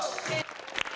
si punggu hue cass